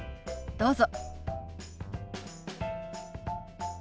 どうぞ。